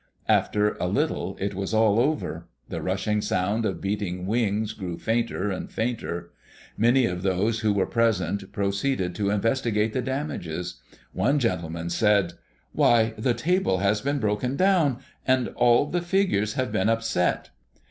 After a little it was all over; the rushing sound of beating wings grew fainter and fainter. Many of those who were present proceeded to investigate the damages. One gentleman said, "Why, the table has been broken down and all the figures have been upset?"